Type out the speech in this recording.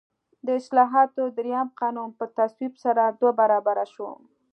د اصلاحاتو درېیم قانون په تصویب سره دوه برابره شو.